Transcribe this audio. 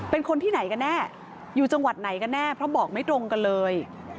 เป็นคนที่ไหนกันแน่อยู่จังหวัดไหนกันแน่เพราะบอกไม่ตรงกันเลย